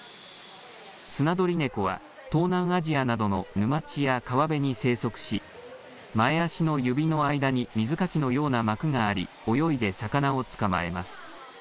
スナドリネコは、東南アジアなどの沼地や川辺に生息し、前足の指の間に水かきのような膜があり、泳いで魚を捕まえます。